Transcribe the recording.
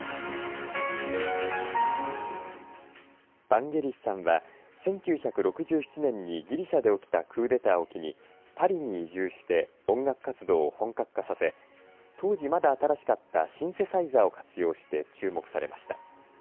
バンゲリスさんは１９６７年にギリシャで起きたクーデターを機にパリに移住して音楽活動を本格化させ当時、まだ新しかったシンセサイザーを活用して注目されました。